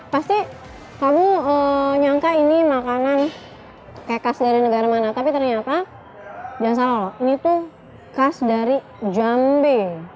pasti kamu nyangka ini makanan kayak khas dari negara mana tapi ternyata jangan salah ini tuh khas dari jambe